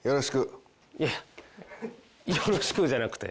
いや「よろしく」じゃなくて。